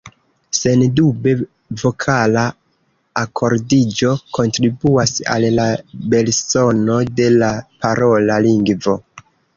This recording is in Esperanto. Sendube vokala akordiĝo kontribuas al la belsono de la parola lingvo.